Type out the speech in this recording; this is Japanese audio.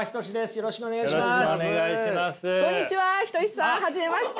よろしくお願いします。